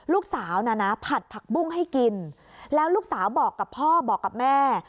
ลูกสาวน่ะนะผัดผักบุ้งให้กินแล้วลูกสาวบอกกับพ่อบอกกับแม่